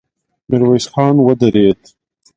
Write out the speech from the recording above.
ميرويس خان ودرېد.